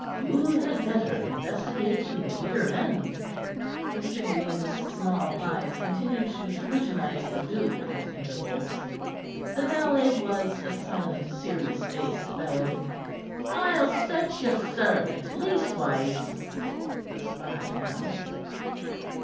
You had better investigate to the bitter end." Mr. Green's small eyes continued to scrutinize Leduc at intervals. The valet was a silent, serious faced fellow. "I'll search your servant, leastways," the spy announced.